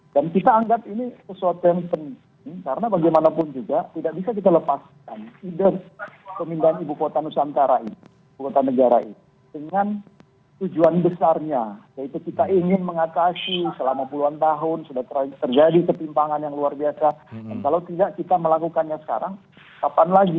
dan kita anggap ini sesuatu yang penting karena bagaimanapun juga tidak bisa kita lepaskan ide pemindahan ibu kota nusantara ini ibu kota negara ini dengan tujuan besarnya yaitu kita ingin mengatasi selama puluhan tahun sudah terjadi ketimpangan yang luar biasa dan kalau tidak kita melakukannya sekarang kapan lagi